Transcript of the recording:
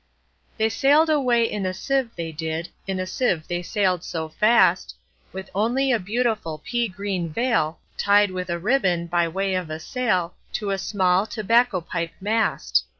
They sail'd away in a sieve, they did, In a sieve they sail'd so fast, With only a beautiful pea green veilTied with a ribbon, by way of a sail, To a small tobacco pipe mast.